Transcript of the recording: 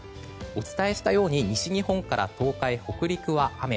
お伝えしたように西日本から東海、北陸は雨。